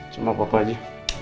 sama papa aja